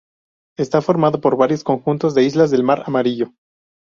Está formado por varios conjuntos de islas del mar Amarillo.